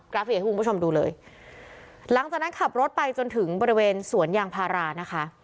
อยากให้คุณผู้ชมดูเลยหลังจากนั้นขับรถไปจนถึงบริเวณสวนยางพารานะคะ